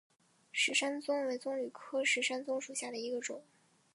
石山棕为棕榈科石山棕属下的一个种。